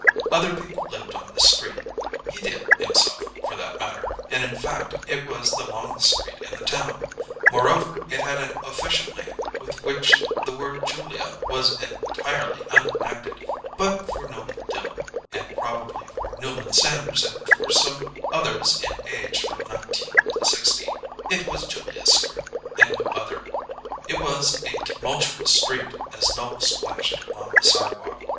Other people lived on this street he did, himself, for that matter; and, in fact, it was the longest street in the town; moreover, it had an official name with which the word "Julia" was entirely unconnected; but for Noble Dill (and probably for Newland Sanders and for some others in age from nineteen to sixty) it was "Julia's Street" and no other. It was a tumultuous street as Noble splashed along the sidewalk.